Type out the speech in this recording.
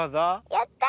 やった！